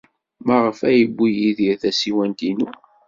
Maɣef ay yewwi Yidir tasiwant-inu?